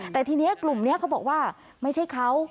แต่ทีนี้กลุ่มนี้เขาบอกว่าไม่ใช่เขา